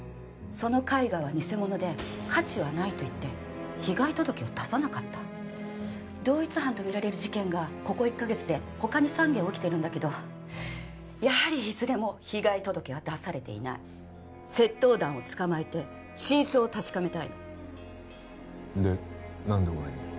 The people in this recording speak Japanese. その絵画は偽物で価値はないといって被害届を出さなかった同一犯とみられる事件がここ１カ月で他に３件起きてるんだけどやはりいずれも被害届は出されていない窃盗団を捕まえて真相を確かめたいので何で俺に？